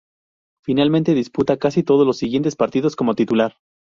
Finalmente disputa casi todos los siguientes partidos como titular.